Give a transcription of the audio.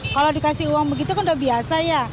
kalau dikasih uang begitu kan udah biasa ya